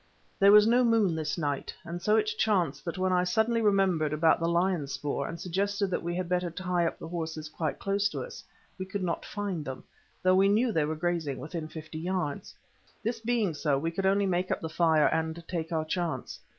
There was no moon this night, and so it chanced that when I suddenly remembered about the lion spoor, and suggested that we had better tie up the horses quite close to us, we could not find them, though we knew they were grazing within fifty yards. This being so we could only make up the fire and take our chance.